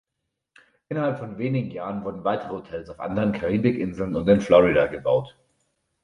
Innerhalb von wenigen Jahren wurden weitere Hotels auf anderen Karibikinseln und in Florida gebaut.